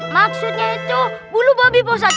maksudnya itu bulu babi pak ustadz